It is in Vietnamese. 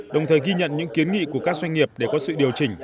đồng thời ghi nhận những kiến nghị của các doanh nghiệp để có sự điều chỉnh